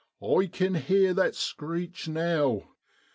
I kin heer that screech now